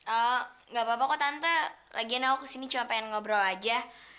oh ga apa apa kok tante lagian aku ke sini cuma pengen ngobrol aja